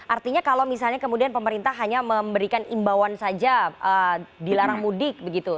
artinya kalau misalnya kemudian pemerintah hanya memberikan imbauan saja dilarang mudik begitu